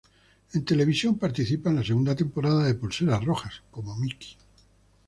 En televisión participa en la segunda temporada de "Pulseras rojas" como Miki.